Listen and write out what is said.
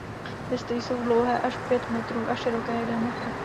Listy jsou dlouhé až pět metrů a široké jeden metr.